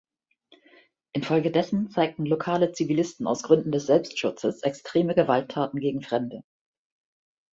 Infolgedessen zeigten lokale Zivilisten aus Gründen des Selbstschutzes extreme Gewalttaten gegen Fremde.